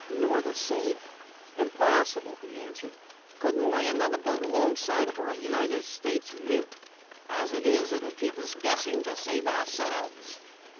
"Nor the safe?" "Impossible," he answered. "Could n't lay another boat alongside for a United States mint. As it is, it 'll keep us guessing to save ourselves."